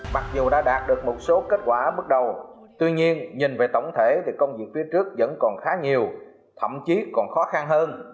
mặc dù đã đạt được một số kết quả bước đầu tuy nhiên nhìn về tổng thể thì công việc phía trước vẫn còn khá nhiều thậm chí còn khó khăn hơn